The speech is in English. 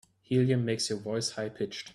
Helium makes your voice high pitched.